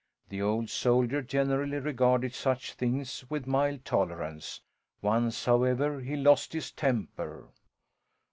The old soldier generally regarded such things with mild tolerance. Once, however, he lost his temper.